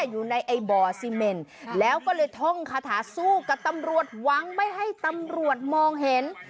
อยู่ในไอ้บ่อซีเมนแล้วก็เลยท่องคาถาสู้กับตำรวจหวังไม่ให้ตำรวจมองเห็น